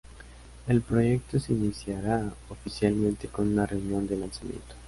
El proyecto se iniciará oficialmente con una reunión de lanzamiento.